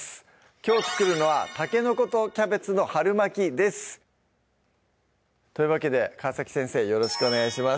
きょう作るのは「たけのことキャベツの春巻き」ですというわけで川先生よろしくお願いします